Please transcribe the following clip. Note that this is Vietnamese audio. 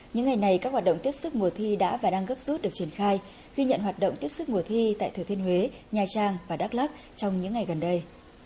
những ngày này các hoạt động tiếp xúc mùa thi đã và đang gấp rút được triển khai khi nhận hoạt động tiếp xúc mùa thi tại thừa thiên huế nhà trang và đắk lắk trong những ngày gần đây